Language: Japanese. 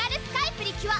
プリキュア